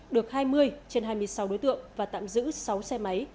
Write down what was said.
được hai mươi trên hai mươi sáu đối tượng và tạm giữ sáu xe máy